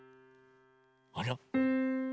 あら？